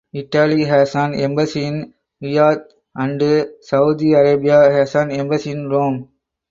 Italy has an embassy in Riyadh and Saudi Arabia has an embassy in Rome.